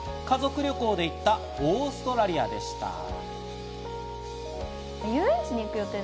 家族旅行で行ったオーストラリアでした。